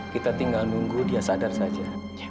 kita tinggal nunggu dia sadar saja